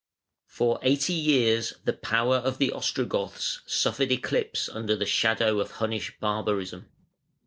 For eighty years the power of the Ostrogoths suffered eclipse under the shadow of Hunnish barbarism.